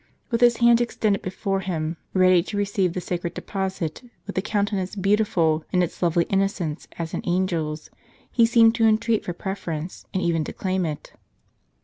With his hands extended before him, ready to receive the sacred deposit, with a countenance beautiful in its lovely innocence as an angel's, he seemed to entreat for preference, and even to claim it.